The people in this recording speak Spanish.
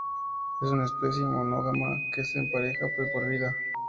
Es una especie monógama que se empareja de por vida.